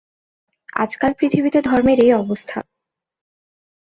আজকাল পৃথিবীতে ধর্মের এই অবস্থা।